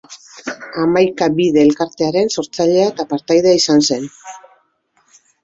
Hamaika Bide Elkartearen sortzailea eta partaidea izan zen.